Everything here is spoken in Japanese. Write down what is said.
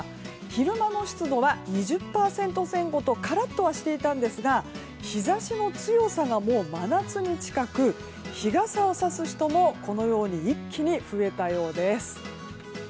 昼間の湿度は２０％前後とカラッとはしていたんですが日差しの強さが、もう真夏に近く日傘をさす人も、一気に増えたようです。